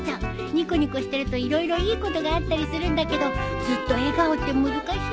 ニコニコしてると色々いいことがあったりするんだけどずっと笑顔って難しいよ。